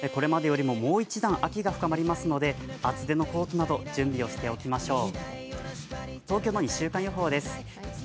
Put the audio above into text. これまでよりも、もう一段秋が深まりますので、厚手のコートなど準備しておきましょう。